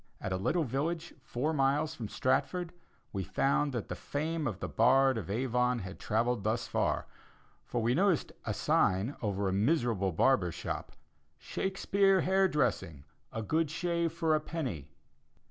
At a little village four miles from Stratford, we found that the fame of the bard of Avon had travelled thus far, for we noticed a sign over a miserable barber's shop, "Shakespeare hair dressing a good shave for a penny."